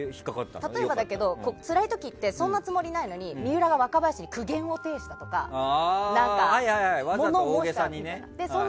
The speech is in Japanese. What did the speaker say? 例えば、つらい時ってそんなつもりないのに水卜が若林に苦言を呈したとか物申したみたいな。